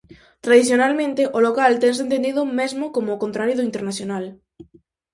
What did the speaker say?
Tradicionalmente, o local tense entendido mesmo como o contrario do internacional.